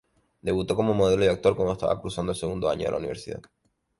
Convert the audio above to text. Debutó como modelo y actor cuando estaba cursando el segundo año de la universidad.